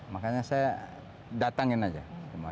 makanya saya datangin aja